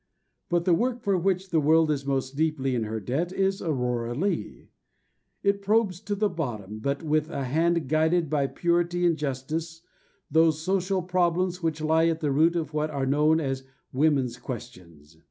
But the work for which the world is most deeply in her debt is Aurora Leigh. It probes to the bottom, but with a hand guided by purity and justice, those social problems which lie at the root of what are known as women's questions.